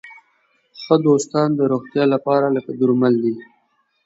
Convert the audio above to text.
ښه دوستان د روغتیا لپاره لکه درمل دي.